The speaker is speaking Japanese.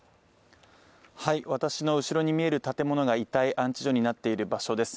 私の後ろに見える建物が遺体安置所になっている場所です